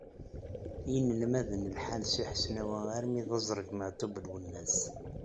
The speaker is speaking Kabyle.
Inelmaden lḥan si Hesnawa armi d azreg Meεtub Lwennas.